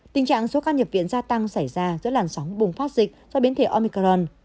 tình trạng số ca nhập viện gia tăng xảy ra giữa làn sóng bùng phát dịch do biến thể omicron